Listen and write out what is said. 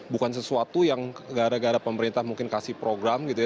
bukan sesuatu yang gara gara pemerintah mungkin kasih program gitu ya